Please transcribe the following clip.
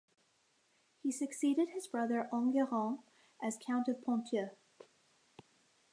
He succeeded his brother Enguerrand as Count of Ponthieu.